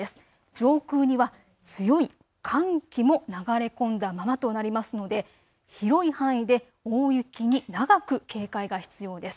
上空には強い寒気も流れ込んだままとなりますので、広い範囲で大雪に長く警戒が必要です。